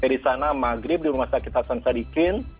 jadi di sana maghrib di rumah sakit hatsan sadikin